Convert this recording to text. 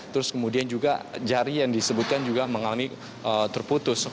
terus kemudian juga jari yang disebutkan juga mengalami terputus